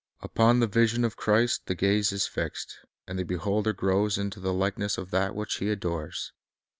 Upon the vision of Christ the gaze is fixed, and the beholder grows into the likeness of that which he adores.